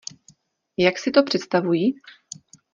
Jak si to představuji?